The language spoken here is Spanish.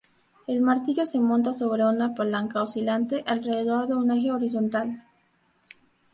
El martillo se monta sobre una palanca oscilante alrededor de un eje horizontal.